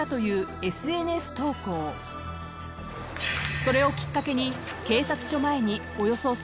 ［それをきっかけに］